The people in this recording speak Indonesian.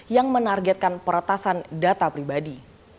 yang menargetkan peretasan data pribadi